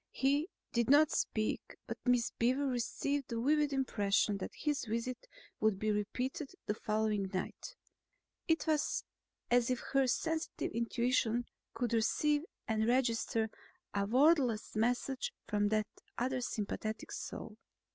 He did not speak but Miss Beaver received the vivid impression that his visit would be repeated the following night; it was as if her sensitive intuitions could receive and register a wordless message from that other sympathetic soul.